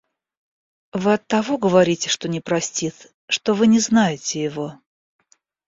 Вы оттого говорите, что не простит, что вы не знаете его.